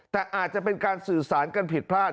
แต่อาจจะเป็นการสื่อสารกันผิดพลาด